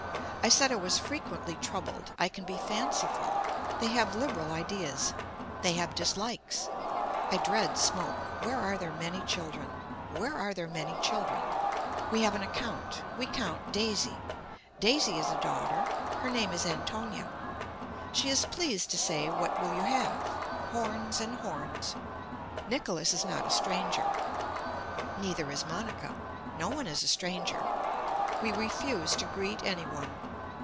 I said I was frequently troubled. I can be fanciful. They have liberal ideas. They have dislikes. I dread smoke. Where are there many children. Where are there many children. We have an account. We count daisy. Daisy is a daughter. Her name is Antonia. She is pleased to say what will you have. Horns and horns. Nicholas is not a stranger. Neither is Monica. No one is a stranger. We refuse to greet any one.